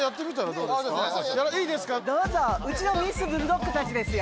どうぞうちのミスブルドッグたちですよ。